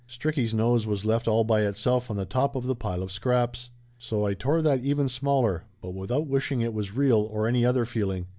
Stricky's nose was left all by itself on the top of the pile of scraps. So I tore that even smaller, but without wishing it was real, or any other feeling.